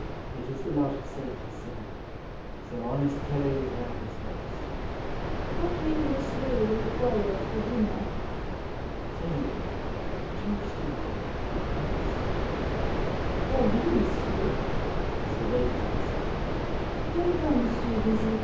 "It is the lot of saint and sinner. So honest Terra's ran his race!" " What will Monsieur require for dinner? "" Say, do you still cook Bouillabaisse*? "" Oh, oui. Monsieur," 's the waiter's answer; "Quel vin Monsieur desire til?"